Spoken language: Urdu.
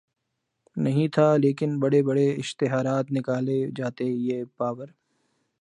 نہیں تھا لیکن بڑے بڑے اشتہارات نکالے جاتے یہ باور